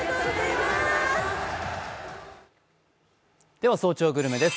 では「早朝グルメ」です。